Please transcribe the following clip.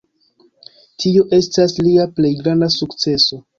Tio estas lia plej granda sukceso.